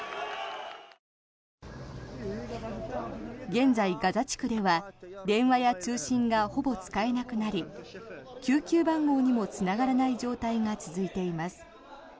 現在、ガザ地区では電話や通信がほぼ使えなくなり救急番号にもつながらない状態が続いています。